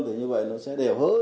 thì như vậy nó sẽ đều hơn